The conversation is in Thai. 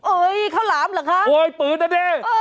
เอ้ยข้าวหลามเหรอครับโอ้ยปืนอ่ะเนี่ยเอ้ย